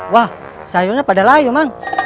wah sayurnya pada layu mang